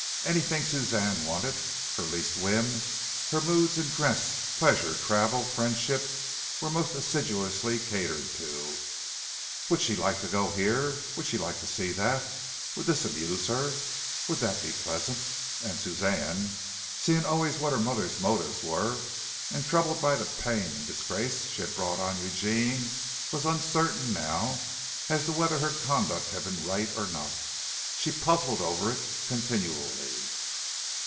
Anything Suzanne wanted her least whim, her moods in dress, pleasure, travel, friendship, were most assiduously catered to. Would she like to go here? would she like to see that? would this amuse her? would that be pleasant? And Suzanne, seeing always what her mother's motives were, and troubled by the pain and disgrace she had brought on Eugene, was uncertain now as to whether her conduct had been right or not. She puzzled over it continually.